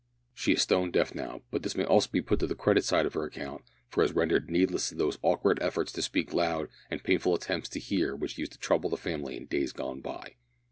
She is stone deaf now, but this also may be put to the credit side of her account, for it has rendered needless those awkward efforts to speak loud and painful attempts to hear which used to trouble the family in days gone by.